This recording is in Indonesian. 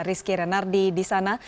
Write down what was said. rizky renardi di sana